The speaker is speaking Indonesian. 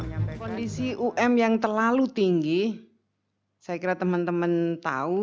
kondisi um yang terlalu tinggi saya kira teman teman tahu